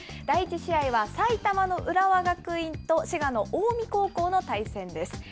第１試合は埼玉の浦和学院と滋賀の近江高校の対戦です。